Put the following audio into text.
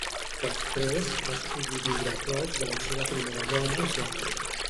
Després, va escollir viure a prop de la seva primera dona Janet.